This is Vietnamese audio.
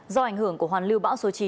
do ảnh hưởng của hoàn lưu bão số chín